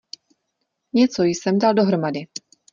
Něco jsem dal dohromady.